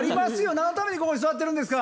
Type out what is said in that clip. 何のためにここに座ってるんですか。